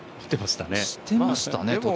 してましたね、途中。